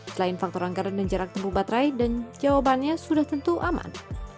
selain faktor anggaran dan jarak tempuh baterai dan jawabannya sudah tentu aman